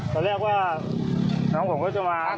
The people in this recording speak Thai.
ตอนแรกว่าน้องผมก็จะมา